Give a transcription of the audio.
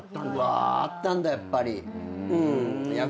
うわーあったんだやっぱり。